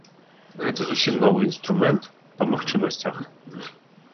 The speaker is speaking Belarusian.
Гэта зусім новы інструмент па магчымасцях.